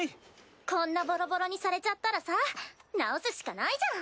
こんなボロボロにされちゃったらさ直すしかないじゃん！